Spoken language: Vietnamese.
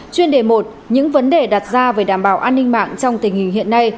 chuyên đề một những vấn đề đặt ra về đảm bảo an ninh mạng trong tỉnh